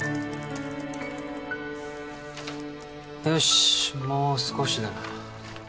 よしもう少しだな。